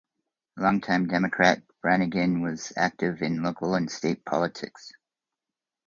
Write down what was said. A longtime Democrat, Branigin was active in local and state politics.